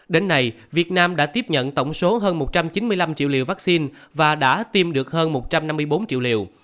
đến nay việt nam đã tiếp nhận tổng số hơn một trăm chín mươi năm triệu liều vaccine và đã tiêm được hơn một trăm năm mươi bốn triệu liều